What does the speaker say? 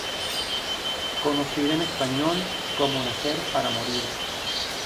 Conocida en español como Nacer para morir.